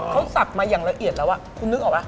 เขาสักมาอย่างละเอียดแล้วคุณนึกออกป่